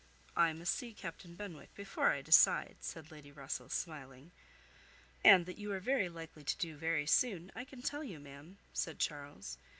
"I must see Captain Benwick before I decide," said Lady Russell, smiling. "And that you are very likely to do very soon, I can tell you, ma'am," said Charles.